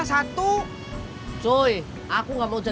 ganta yang kamu sudah tahu